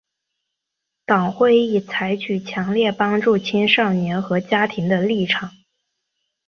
党会议采取强烈帮助青少年和家庭的立场。